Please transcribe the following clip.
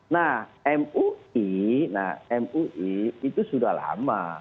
nah mui nah mui itu sudah lama